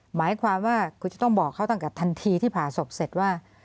หมายความว่าคุณจะต้องบอกเขาตั้งแต่ทันทีที่ผ่าศพเสร็จว่า